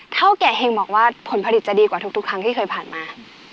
เท่าแก่เฮงบอกว่าผลผลิตจะดีกว่าทุกครั้งที่เคยผ่านมา